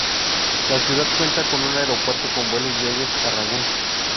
La ciudad cuenta con un aeropuerto con vuelos diarios a Rangún.